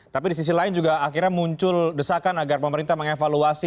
tapi di sisi lain juga akhirnya muncul desakan agar pemerintah mengevaluasi